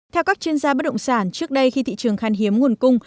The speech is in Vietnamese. theo các chuyên gia bất động sản trước đây khi thị trường khan hiếm nguồn cung